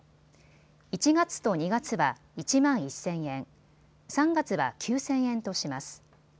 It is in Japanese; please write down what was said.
１月と２月は１万１０００円、３月は９０００円とします。